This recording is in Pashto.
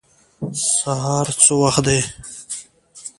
سهار څه وخت دی؟